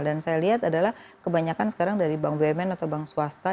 dan saya lihat adalah kebanyakan sekarang dari bank bumn atau bank swasta